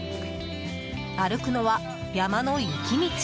歩くのは、山の雪道。